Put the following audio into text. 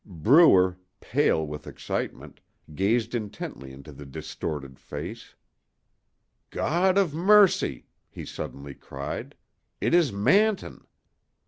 Brewer, pale with excitement, gazed intently into the distorted face. "God of mercy!" he suddenly cried, "it is Manton!"